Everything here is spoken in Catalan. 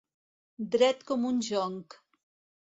Dret com un jonc.